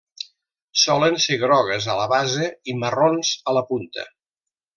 Solen ser grogues a la base i marrons a la punta.